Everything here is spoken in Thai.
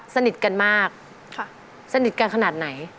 สนิทกันมากค่ะ